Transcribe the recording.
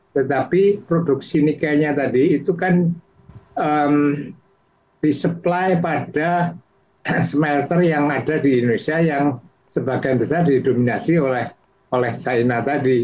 tetapi produksi nike nya tadi itu kan disupply pada smelter yang ada di indonesia yang sebagian besar didominasi oleh china tadi